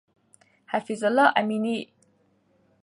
حفیظ الله امینی